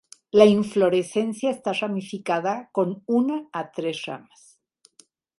La inflorescencia está ramificada con una a tres ramas.